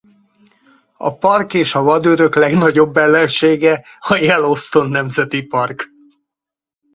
A park és a vadőrök legnagyobb ellensége a Yellowstone Nemzeti Park.